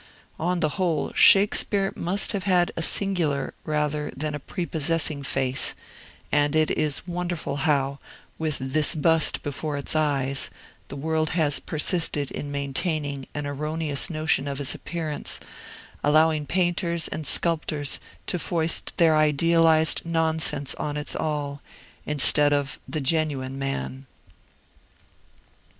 On the whole, Shakespeare must have had a singular rather than a prepossessing face; and it is wonderful how, with this bust before its eyes, the world has persisted in maintaining an erroneous notion of his appearance, allowing painters and sculptors to foist their idealized nonsense on its all, instead of the genuine man.